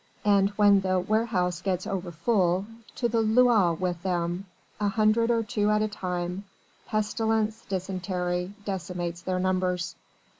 And when the warehouse gets over full, to the Loire with them! a hundred or two at a time! Pestilence, dysentery decimates their numbers.